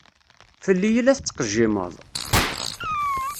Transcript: Fell-i i la tettqejjimeḍ?